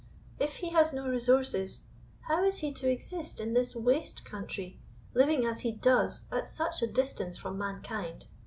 If he has no resources, how is he to exist in this waste country, living, as he does, at such a distance from mankind?